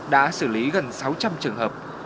đã xử lý gần sáu trăm linh trường hợp